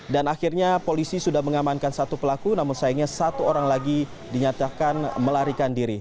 akhirnya polisi sudah mengamankan satu pelaku namun sayangnya satu orang lagi dinyatakan melarikan diri